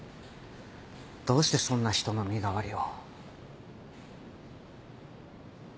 どうしてそんな人の身代わりを？